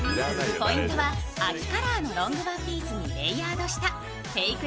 ポイントは秋カラーのロングワンピースにレイヤードしたフェイク